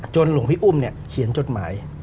จนหลวงพี่อุ้มเนี่ยเขียนจดหมาย